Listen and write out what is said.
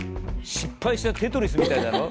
失敗したテトリスみたいだろ。